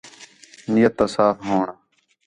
نیّت تا صاف ہووݨ